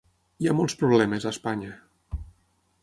Hi ha molts problemes Espanya.